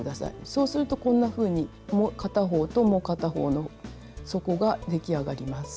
そうするとこんなふうにもう片方ともう片方の底が出来上がります。